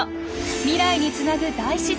未来につなぐ大自然。